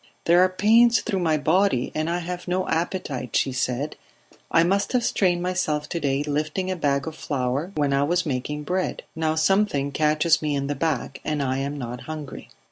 "There are pains through my body and I have no appetite," she said, "I must have strained myself to day lifting a bag of flour when I was making bread. Now something catches me in the back, and I am not hungry."